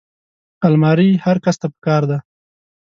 الماري هر کس ته پکار ده